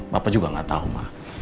papa juga nggak tahu ma